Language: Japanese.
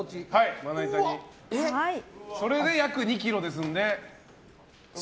それで約２ｋｇですので。